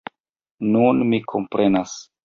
Nun mi komprenas.